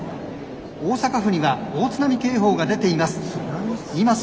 大阪府には大津波警報が出ています。